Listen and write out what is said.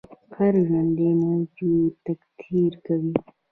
هر ژوندی موجود تکثیر کوي